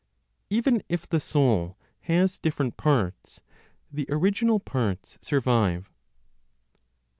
EVEN IF THE SOUL HAS DIFFERENT PARTS, THE ORIGINAL PARTS SURVIVE.